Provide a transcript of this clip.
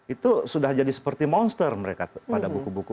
itu sudah jadi seperti monster mereka pada buku buku